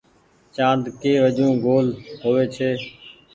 چآند ڪي وجون گول هووي ڇي۔